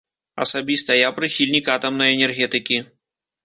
Асабіста я прыхільнік атамнай энергетыкі.